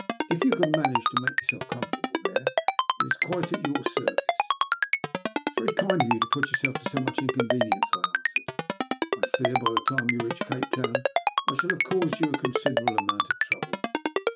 If you can manage to make yourself comfortable there it is quite at your service." " It is very kind of you to put yourself to so much inconvenience," I answered. " I fear by the time we reach Cape Town I shall have caused you a con siderable amount of trouble."